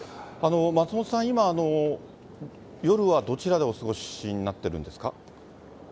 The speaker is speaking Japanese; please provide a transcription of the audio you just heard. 松本さん、今、夜はどちらでお過ごしになっているんですか？